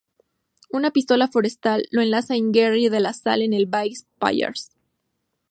Una pista forestal lo enlaza con Gerri de la Sal, en el Baix Pallars.